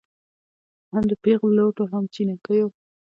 هم د پېغلوټو هم جینکیو